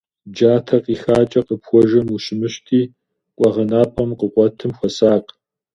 Джатэ къихакӀэ къыпхуэжэм ущымыщти, къуэгъэнапӀэм къыкъуэтым хуэсакъ.